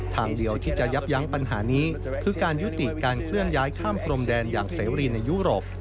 ทางเดียวที่จะยับยั้งปัญหานี้คือการยุติการเคลื่อนย้ายข้ามพรมแดนอย่างเสรีในยุโรป